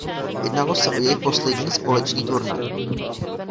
Jednalo se o jejich poslední společný turnaj.